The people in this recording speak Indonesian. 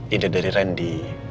ide dari randy